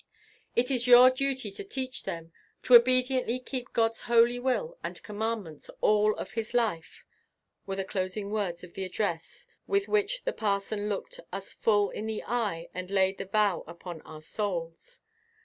"It is your duty to teach him ... to obediently keep God's holy will and commandments all of his life," were the closing words of the address with which the parson looked us full in the eye and laid the vow upon our souls.